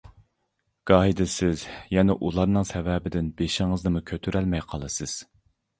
گاھىدا سىز يەنە ئۇلارنىڭ سەۋەبىدىن بېشىڭىزنىمۇ كۆتۈرەلمەي قالىسىز.